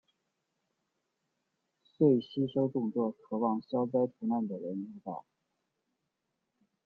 遂吸收众多渴望消灾除难的人入道。